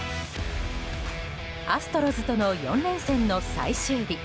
アストロズとの４連戦の最終日。